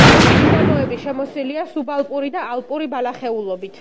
მიდამოები შემოსილია სუბალპური და ალპური ბალახეულობით.